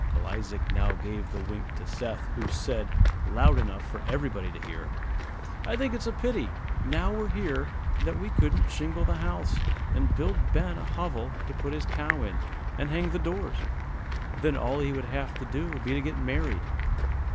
Uncle Isaac now gave the wink to Seth, who said, loud enough for everybody to hear, "I think it's a pity, now we're here, that we couldn't shingle the house, and build Ben a hovel to put his cow in, and hang the doors; then all he would have to do would be to get married."